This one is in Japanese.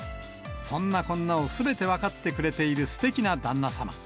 そんなこんなを、すべて分かってくれているすてきな旦那様。